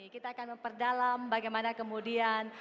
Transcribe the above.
kita akan memperdalam bagaimana kemudian